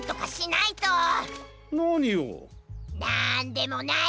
なんでもない。